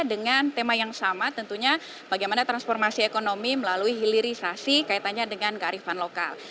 dengan tema yang sama tentunya bagaimana transformasi ekonomi melalui hilirisasi kaitannya dengan kearifan lokal